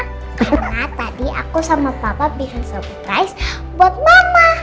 karena tadi aku sama papa bikin surprise buat mama